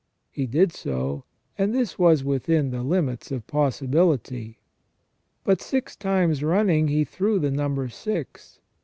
He did so, and this was within the limits of possibility. But six times running he threw the number six.